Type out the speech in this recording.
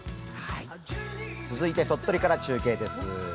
続いて鳥取から中継です。